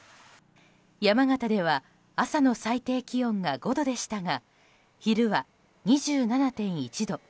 山形では朝の最低気温が５度でしたが昼は２７．１度。